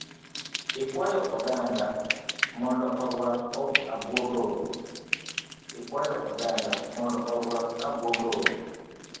Ikwayo oganda mondo oruk abuog rombe.